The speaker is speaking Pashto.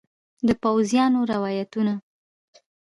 د پوځیانو روایتونه